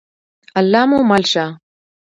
الله مو مل شه؟